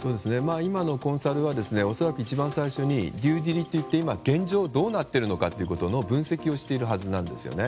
今のコンサルは恐らく一番最初に牛耳りといって今、現状どうなっているのかという分析をしているはずなんですね。